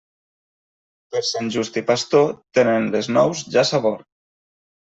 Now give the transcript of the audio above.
Per Sant Just i Pastor, tenen les nous ja sabor.